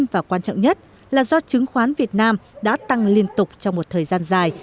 và quan trọng nhất là do chứng khoán việt nam đã tăng liên tục trong một thời gian dài